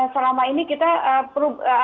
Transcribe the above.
selama ini kita